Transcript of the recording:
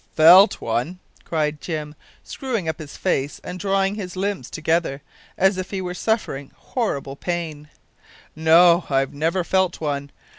"Felt one!" cried Jim, screwing up his face and drawing his limbs together, as if he were suffering horrible pain, "no, I've never felt one.